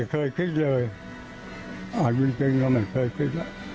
ก็ไม่เคยคิดเลยอาจจริงจริงก็ไม่เคยคิดล่ะ